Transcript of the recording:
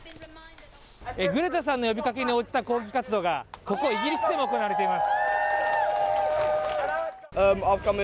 グレタさんの呼びかけに応じた抗議活動が、ここイギリスでも行われています。